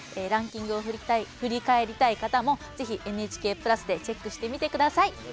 ランキングを振り返りたい方もぜひ「ＮＨＫ＋」でチェックしてみてください。